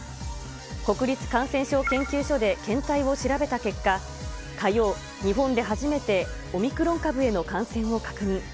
国立感染症研究所で検体を調べた結果、火曜、日本で初めてオミクロン株への感染を確認。